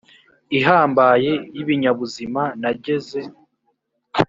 ihambaye y ibinyabuzima nageze